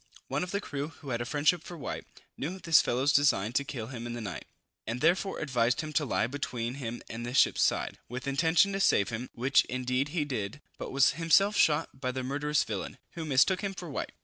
One of the crew, who had a friendship for White, knew this fellow's design to kill him in the night, and therefore advised him to lie between him and the ship's side, with intention to save him; which indeed he did, but was himself shot dead by the murderous villain, who mistook him for White.